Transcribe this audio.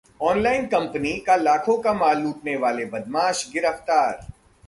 online company का लाखों का माल लूटने वाले बदमाश गिरफ्तार